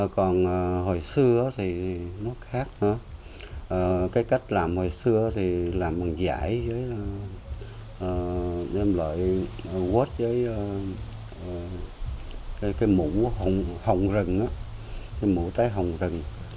còn hồi xưa thì nó khác cái cách làm hồi xưa thì làm bằng giải với đem loại quất với cái mũ hồng rừng cái mũ trái hồng rừng